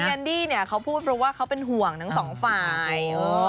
แนนดี้เนี่ยเขาพูดเพราะว่าเขาเป็นห่วงทั้งสองฝ่าย